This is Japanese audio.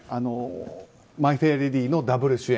「マイ・フェア・レディ」のダブル主演